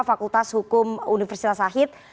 fakultas hukum universitas sahid